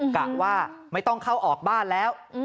กะว่าไม่ต้องเข้าออกบ้านแล้ว